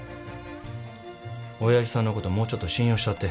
おやじさんのこともうちょっと信用したって。